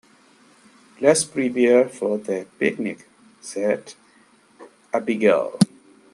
"Let's prepare for the picnic!", said Abigail.